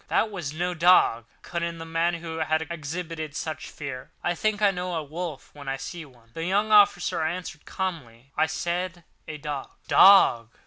that was no dog," cut in the man who had exhibited such fear. "I think I know a wolf when I see one." The young officer answered calmly: "I said a dog." "Dog!"